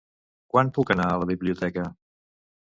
Quan puc anar a la biblioteca?